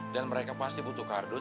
dan mereka pasti butuh cardun